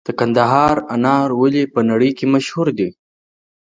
د کندهار انار ولې په نړۍ کې مشهور دي؟